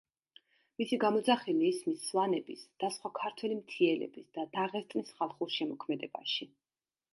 მისი გამოძახილი ისმის სვანების და სხვა ქართველი მთიელების და დაღესტნის ხალხურ შემოქმედებაში.